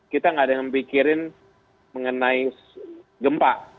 kita nggak ada yang mikirin mengenai gempa